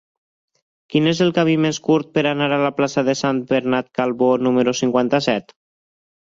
Quin és el camí més curt per anar a la plaça de Sant Bernat Calbó número cinquanta-set?